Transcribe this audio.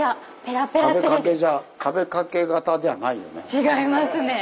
違いますね。